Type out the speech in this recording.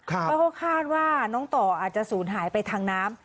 เขาคาดว่าน้องต่ออาจจะสูญหายไปทางน้ำ